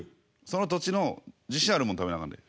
その土地の自信あるもん食べなあかんで。